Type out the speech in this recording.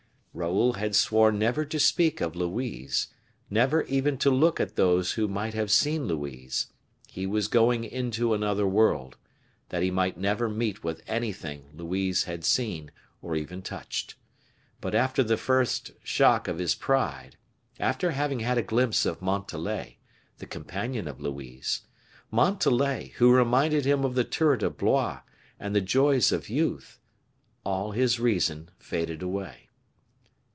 Raoul had sworn never to speak of Louise, never even to look at those who might have seen Louise; he was going into another world, that he might never meet with anything Louise had seen, or even touched. But after the first shock of his pride, after having had a glimpse of Montalais, the companion of Louise Montalais, who reminded him of the turret of Blois and the joys of youth all his reason faded away.